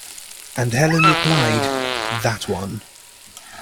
And Helene replied: "That one."